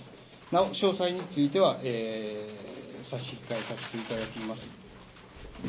なお詳細については、差し控えさせていただきます。